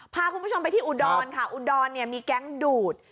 พาคุณผู้ชมไปที่อุดรค่ะอุดรเนี่ยมีแก๊งดูด